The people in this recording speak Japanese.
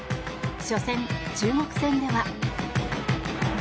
初戦、中国戦では。